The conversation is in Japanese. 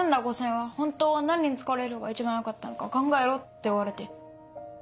５０００円は本当は何に使われるのが一番よかったのか考えろって言われて。